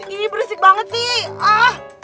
ini berisik banget sih